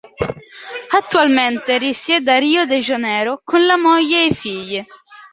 Attualmente risiede a Rio de Janeiro, con la moglie ei figli.